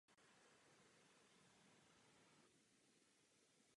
Některé staré rychlé neutronové reaktory používaly rtuť.